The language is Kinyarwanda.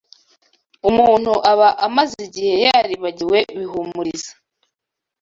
umuntu aba amaze igihe yaribagiwe bihumuriza